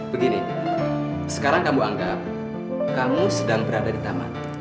begini sekarang kamu anggap kamu sedang berada di taman